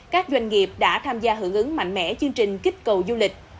các doanh nghiệp đã tham gia hưởng ứng mạnh mẽ chương trình kích cầu du lịch